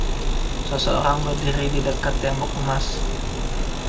Seseorang berdiri di dekat tembok emas.